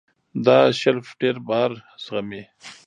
دا شیلف ډېر بار زغمي.